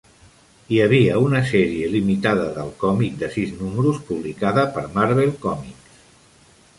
Hi havia una sèrie limitada del còmic de sis números publicada per Marvel Comics.